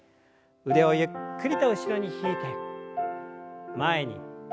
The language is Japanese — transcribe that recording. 腕をゆっくりと後ろに引いて前に。